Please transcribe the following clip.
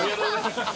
ハハハ